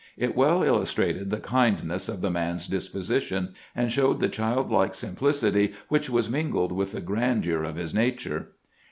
It well illustrated the kindness of the man's disposition, and showed the childlike sim plicity which was mingled with the grandeur of his nature.